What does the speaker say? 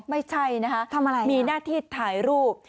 ไม่ใช่นะครับมีหน้าที่ถ่ายรูป